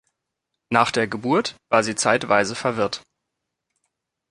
Nach der Geburt war sie zeitweise verwirrt.